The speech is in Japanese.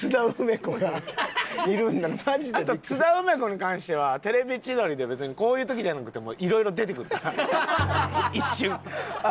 あと津田梅子に関しては『テレビ千鳥』で別にこういう時じゃなくてもいろいろ出てくるから一瞬。